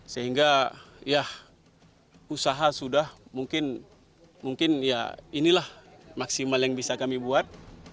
sehingga ya usaha sudah mungkin mungkin ya inilah maksimal yang bisa kami buat